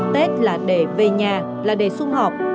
tết là để về nhà là để sung họp